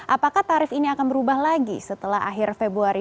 apakah tarif ini akan berubah lagi setelah akhir februari